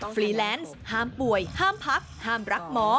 ฟรีแลนซ์ห้ามป่วยห้ามพักห้ามรักหมอ